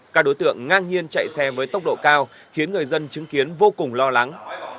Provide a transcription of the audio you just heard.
các đối tượng ngang nhiên chạy xe với tốc độ cao khiến người dân chứng kiến vô cùng lo lắng